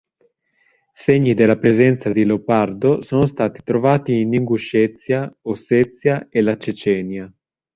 Segni della presenza di leopardo sono stati trovati in Inguscezia, Ossezia e la Cecenia.